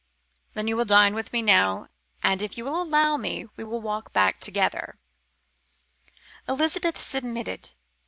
"Then you will dine now; and, if you will allow me, we will walk back together." Elizabeth submitted.